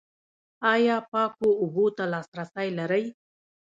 ایا پاکو اوبو ته لاسرسی لرئ؟